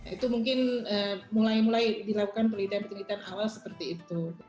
itu mungkin mulai mulai dilakukan penelitian penelitian awal seperti itu